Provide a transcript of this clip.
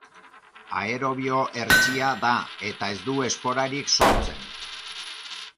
Aerobio hertsia da eta ez du esporarik sortzen.